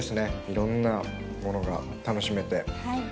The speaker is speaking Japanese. いろんなものが楽しめて。